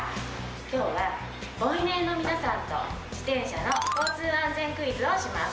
今日はボイメンの皆さんと自転車の交通安全クイズをします。